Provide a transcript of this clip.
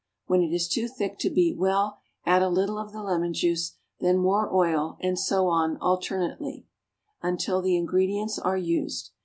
When it is too thick to beat well, add a little of the lemon juice, then more oil, and so on alternately, until the ingredients are used.